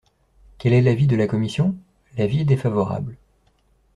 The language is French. Quel est l’avis de la commission ? L’avis est défavorable.